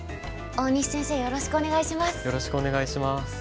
大西先生よろしくお願いします。